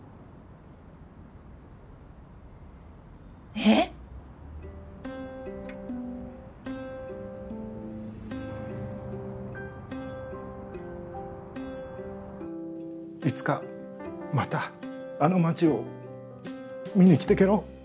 ええ⁉いつかまたあの町を見に来てけろ。